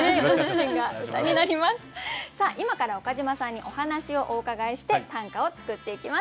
さあ今から岡島さんにお話をお伺いして短歌を作っていきます。